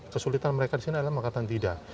kesulitan mereka di sini adalah mengatakan tidak